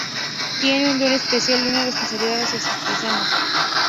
Tiene un don especial y una responsabilidad hacia sus paisanos.